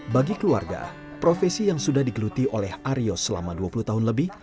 bagi keluarga profesi yang sudah digeluti oleh aryo selama dua puluh tahun lebih